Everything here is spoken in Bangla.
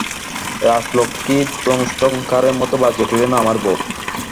রাজলক্ষ্মী ধনুষ্টংকারের মতো বাজিয়া উঠিলেন, আমার বউ?